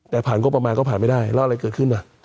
แต่ผ่านงบประมาณก็ผ่านไม่ได้แล้วอะไรเกิดขึ้น